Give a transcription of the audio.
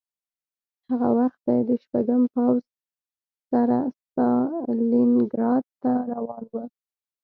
هغه وخت دی د شپږم پوځ سره ستالینګراډ ته روان و